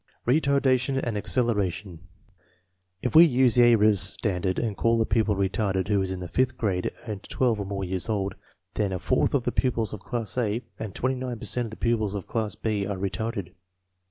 Retardation and acceleration. If we use the Ayres standard and call a pupil retarded who is in the fifth grade and 12 or more years old, then a fourth of the pupils of class A and 29 per cent of the pupils of class B are retarded.